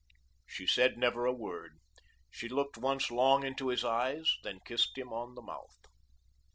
She said never a word. She looked once long into his eyes, then kissed him on the mouth.